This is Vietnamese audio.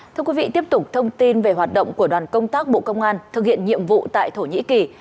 thưa quý vị tiếp tục thông tin về hoạt động của đoàn công tác bộ công an thực hiện nhiệm vụ tại thổ nhĩ kỳ